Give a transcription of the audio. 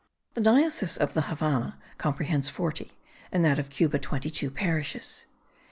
The diocese of the Havannah comprehends forty, and that of Cuba twenty two, parishes.